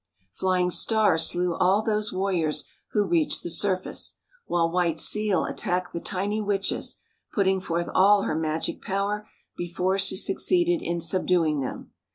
Flying Star slew all those warriors who reached the surface; while White Seal attacked the tiny witches, putting forth all her magic power before she succeeded in subduing them.